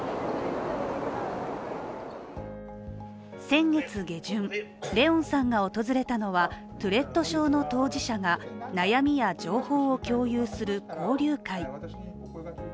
先月下旬、怜音さんが訪れたのはトゥレット症の当事者が悩みや情報を共有する交流会。